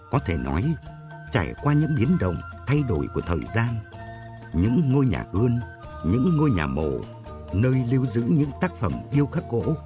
có thể nói trải qua những biến đồng thay đổi của thời gian những ngôi nhà gươn những ngôi nhà mộ nơi lưu giữ những tác phẩm điêu khắc gỗ